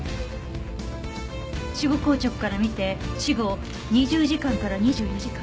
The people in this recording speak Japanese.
死後硬直から見て死後２０時間から２４時間。